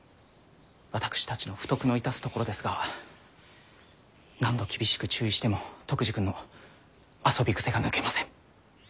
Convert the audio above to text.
私たちの不徳の致すところですが何度厳しく注意しても篤二君の遊び癖が抜けません。